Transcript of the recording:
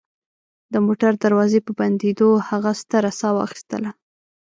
د موټر دروازې په بندېدو هغه ستره ساه واخیستله